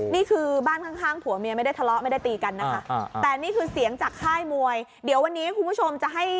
นี่คือบ้านข้างผัวเมียไม่ได้ทะเลาะไม่ได้ตีกันนะคะแต่นี่คือเสียงจากค่ายมวยเดี๋ยววันนี้คุณผู้ชมจะให้